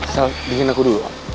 star dengerin aku dulu